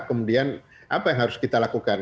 kemudian apa yang harus kita lakukan